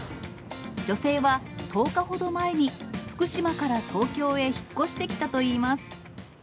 女性は、１０日ほど前に福島から東京へ引っ越してきたといいます。